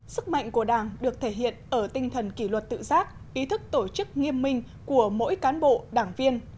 sức mạnh của đảng được thể hiện ở tinh thần kỷ luật tự giác ý thức tổ chức nghiêm minh của mỗi cán bộ đảng viên